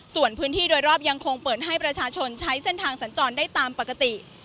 ส่วนพื้นที่โดยรอบยังคงเปิดให้ประชาชนใช้เส้นทางสัญจรได้ตามปกติ